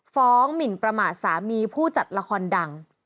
ฟ้องหมิ่นประหม่าสามีผู้จัดละครดัง